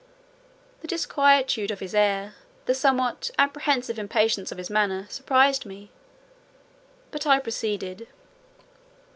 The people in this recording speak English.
The disquietude of his air, the somewhat apprehensive impatience of his manner, surprised me: but I proceeded.